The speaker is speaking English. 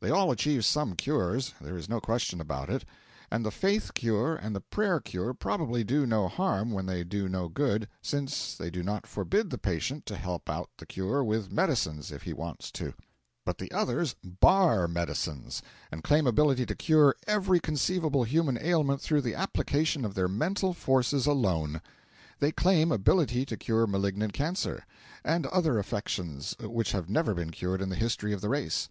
They all achieve some cures, there is no question about it; and the Faith Cure and the Prayer Cure probably do no harm when they do no good, since they do not forbid the patient to help out the cure with medicines if he wants to; but the others bar medicines, and claim ability to cure every conceivable human ailment through the application of their mental forces alone. They claim ability to cure malignant cancer, and other affections which have never been cured in the history of the race.